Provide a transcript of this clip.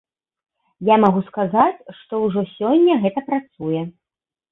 Я магу сказаць, што ўжо сёння гэта працуе.